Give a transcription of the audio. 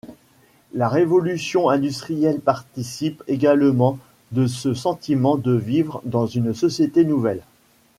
La révolution industrielle participe également de ce sentiment de vivre dans une société nouvelle.